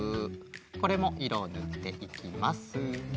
これもいろをぬっていきます。